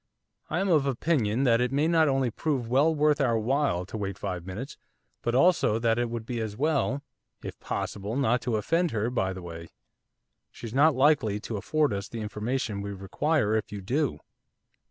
I am of opinion that it may not only prove well worth our while to wait five minutes, but also that it would be as well, if possible, not to offend her by the way. She's not likely to afford us the information we require if you do.